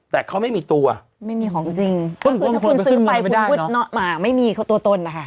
แต่เขาไม่มีตัวไม่มีของจริงถ้าคุณซื้อไปไม่มีตัวตนนะคะ